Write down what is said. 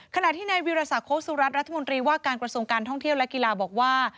ขนาดที่ในวิราษาโค๊สุรัสร์รรัฐมนตรีว่าการกระทรงการท่องเที่ยวและกีฬาบอกว่า